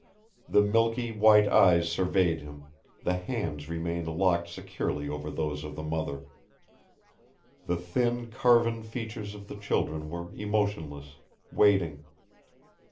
The milky, white eyes surveyed him, the hands remained locked securely over those of the mother. The thin carven features of the children were emotionless, waiting.